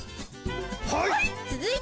はい！